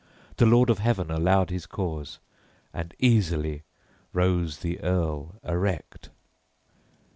The Lord of Heaven allowed his cause; and easily rose the earl erect.